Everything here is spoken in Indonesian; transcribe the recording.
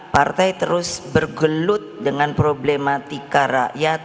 partai terus bergelut dengan problematika rakyat